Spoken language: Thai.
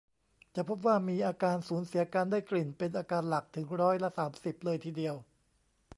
จะพบว่ามีอาการสูญเสียการได้กลิ่นเป็นอาการหลักถึงร้อยละ สามสิบ เลยทีเดียว